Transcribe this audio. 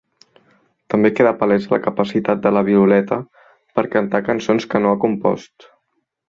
També queda palesa la capacitat de la Violeta per cantar cançons que no ha compost.